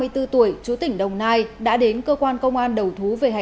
ba mươi bốn tuổi chú tỉnh đồng nai đã đến cơ quan công an đầu thủ